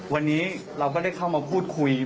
วันนี้เราก็ได้เข้ามาพูดคุย